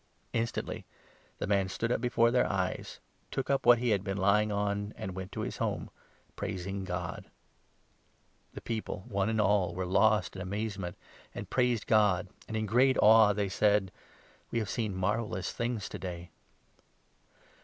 Instantly the man stood up before their eyes, took up what 25 he had been lying on, and went to his home, praising God. The people, one and all, were lost in amazement, 26 and praised God ; and in great awe they said :" We have seen marvellous things to day